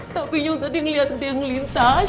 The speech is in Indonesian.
tapi yang tadi ngeliat dia ngelintas